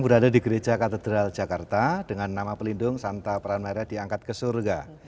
berada di gereja katedral jakarta dengan nama pelindung santa pramera diangkat ke surga